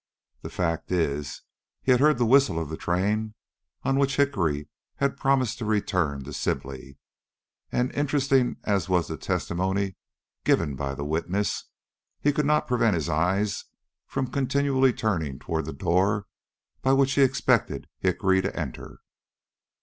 The fact is, he had heard the whistle of the train on which Hickory had promised to return to Sibley, and interesting as was the testimony given by the witness, he could not prevent his eyes from continually turning toward the door by which he expected Hickory to enter.